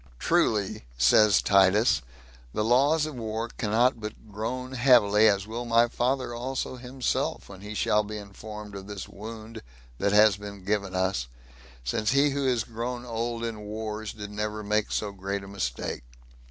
"Truly," says Titus, "the laws of war cannot but groan heavily, as will my father also himself, when he shall be informed of this wound that hath been given us, since he who is grown old in wars did never make so great a mistake.